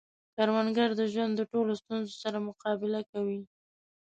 کروندګر د ژوند د ټولو ستونزو سره مقابله کوي